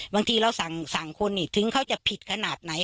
บางทีเราสั่งคนถึงเขาจะผิดขนาดไหน